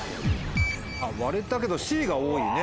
割れたけどＣが多いね。